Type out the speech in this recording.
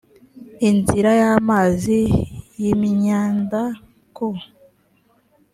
inzira y amazi y imyamda ku